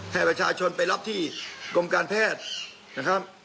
ให้ประชาชนไปรับที่กรมการแพทย์นะครับ